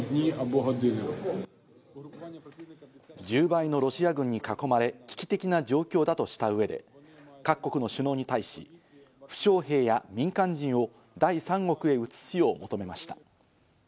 １０倍のロシア軍に囲まれ危機的な状況だとした上で、各国の首脳に対し、負傷兵や民間人を第三国へ移すよう求めました。